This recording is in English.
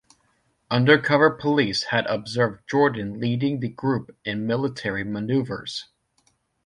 Undercover police had observed Jordan leading the group in military manoeuvres.